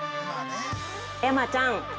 ◆山ちゃん